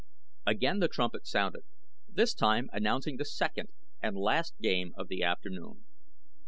Again the trumpet sounded, this time announcing the second and last game of the afternoon.